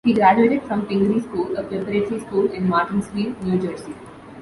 He graduated from Pingry School, a preparatory school in Martinsville, New Jersey.